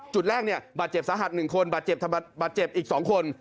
จุดแรกบาดเจ็บสหัสหนึ่งคนบาดเจ็บอีกสองคน